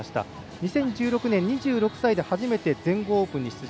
２０１６年、２６歳で初めて全豪オープンに出場